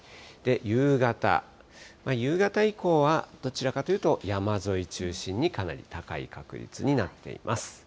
夕方、夕方以降はどちらかというと山沿い中心にかなり高い確率になっています。